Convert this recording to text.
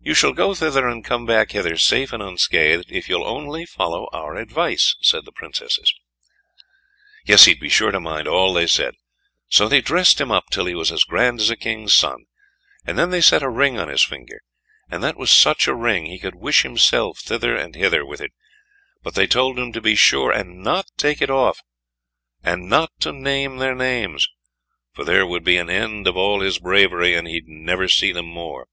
"You shall go thither and come back hither, safe and unscathed, if you will only follow our advice," said the Princesses. Yes, he'd be sure to mind all they said. So they dressed him up till he was as grand as a king's son, and then they set a ring on his finger, and that was such a ring, he could wish himself thither and hither with it; but they told him to be sure and not take it off, and not to name their names, for there would be an end of all his bravery, and then he'd never see them more.